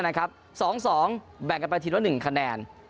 นะครับ๒๒แบ่งกันไปถึงกัน๑คะแนน